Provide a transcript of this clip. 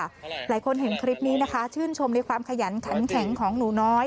หลายคนเห็นคลิปนี้นะคะชื่นชมในความขยันขันแข็งของหนูน้อย